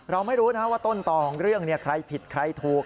เราไม่รู้นะว่าต้นต่อของเรื่องใครผิดใครถูก